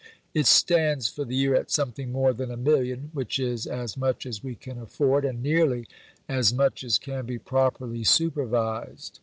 It stands for the year at something more than a million, which is as much as we can afford and nearly as much as can be properly supervised.